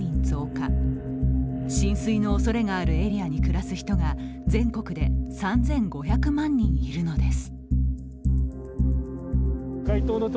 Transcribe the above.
浸水のおそれがあるエリアに暮らす人が全国で３５００万人いるのです。